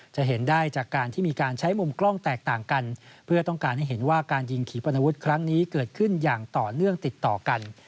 จะเห็นได้จากการที่มีการใช้มุมกล้องแตกต่างกันเพื่อต้องการให้เห็นว่าการยิงขี่ปรณวุฒิครั้งนี้เกิดขึ้นอย่างต่อเนื่องติดต่อกัน